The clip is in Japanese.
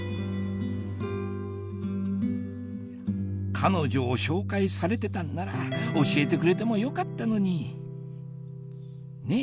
彼女を紹介されてたんなら教えてくれてもよかったのにねぇ？